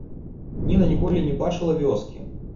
Ніна ніколі не бачыла вёскі.